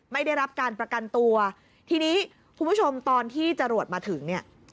ไม่ได้รับการประกันตัวทีนี้คุณผู้ชมตอนที่จรวดมาถึงเนี่ย